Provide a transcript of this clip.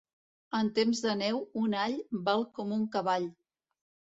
En temps de neu, un all val com un cavall.